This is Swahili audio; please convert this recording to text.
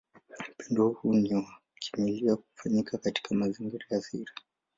Upendo huu ni wa kimila hufanyika katika mazingira ya siri